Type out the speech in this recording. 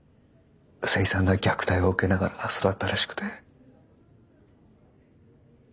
凄惨な虐待を受けながら育ったらしくて。